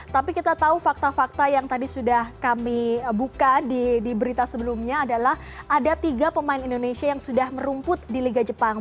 tapi kita tahu fakta fakta yang tadi sudah kami buka di berita sebelumnya adalah ada tiga pemain indonesia yang sudah merumput di liga jepang